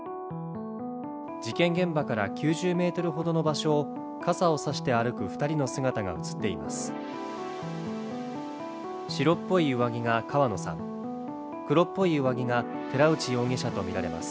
事件現場から９０ｍほどの場所を傘を差して歩く２人の姿が映っています。